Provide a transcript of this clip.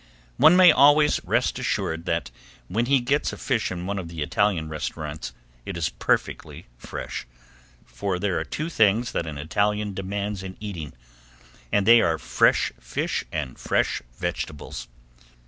One may always rest assured that when he gets a fish in one of the Italian restaurants it is perfectly fresh, for there are two things that an Italian demands in eating, and they are fresh fish and fresh vegetables.